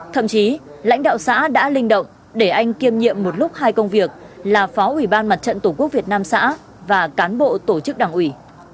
thậm chí lãnh đạo xã đã linh động để anh kiêm nhiệm một lúc hai công việc là phó ủy ban mặt trận tổ quốc việt nam xã và cán bộ tổ chức đảng ủy